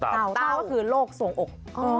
เต้าก็คือโรคส่วงอก